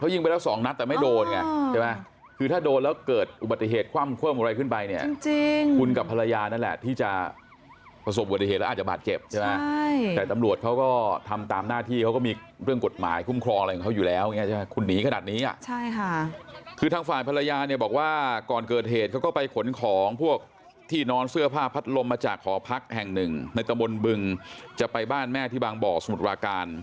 เขายิงไปแล้วสองนัดแต่ไม่โดนถ้าโดนแล้วเกิดอุบัติเหตุความเครื่องอะไรขึ้นไปคุณกับภรรยานั่นแหละที่จะผสมอุบัติเหตุแล้วอาจจะบาดเจ็บแต่ตำรวจเขาก็ทำตามหน้าที่เขาก็มีเรื่องกฎหมายคุ้มครองอะไรอยู่แล้วคุณหนีขนาดนี้คือทางฝ่ายภรรยาเนี่ยบอกว่าก่อนเกิดเหตุเขาก็ไปขนของพวกที่นอนเสื้อผ้าพัดลมมาจาก